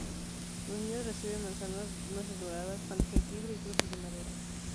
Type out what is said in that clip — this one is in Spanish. Los niños reciben manzanas, nueces doradas, pan de jengibre y cruces de madera.